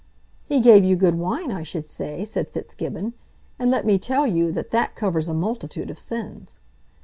"He gave you good wine, I should say," said Fitzgibbon, "and let me tell you that that covers a multitude of sins."